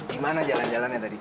gimana jalan jalannya tadi